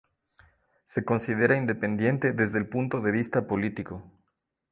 Se considera independiente desde el punto de vista político.